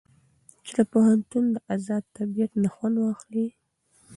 چې د پوهنتون د ازاد طبيعت نه خوند واخلي.